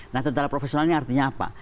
nah tentara profesional ini artinya apa